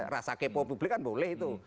rasa kepo publik kan boleh itu